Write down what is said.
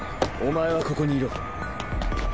お前はここにいろ。